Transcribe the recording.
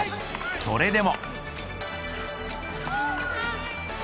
それでも。